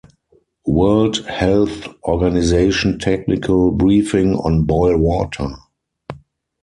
World Health Organization Technical Briefing on Boil Water